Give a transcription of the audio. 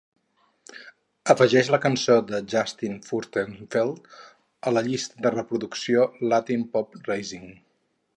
Afegeix la cançó de Justin Furstenfeld a la llista de reproducció Latin Pop Rising